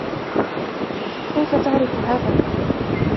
كيف تعرف هذا ؟